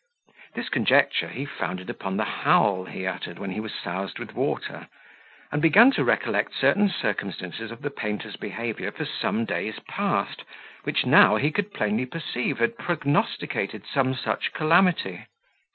This conjecture he founded upon the howl he uttered when he was soused with water, and began to recollect certain circumstances of the painter's behaviour for some days past, which now he could plainly perceive had prognosticated some such calamity.